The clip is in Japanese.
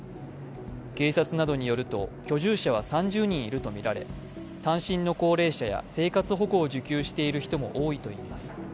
警察などによると居住者は３０人いるとみられ単身の高齢者や生活保護を受給している人も多いといいます。